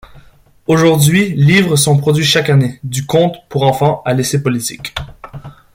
Aujourd'hui livres sont produits chaque année, du conte pour enfants à l'essai politique.